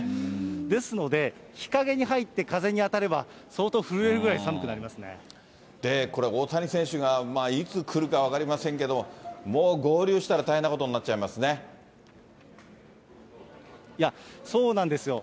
ですので、日陰に入って風に当たれば、で、これ、大谷選手がいつ来るか分かりませんけれども、もう合流したら大変いや、そうなんですよ。